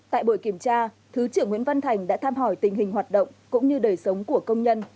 tại buổi kiểm tra thứ trưởng nguyễn văn thành đã tham hỏi tình hình hoạt động cũng như đời sống của công nhân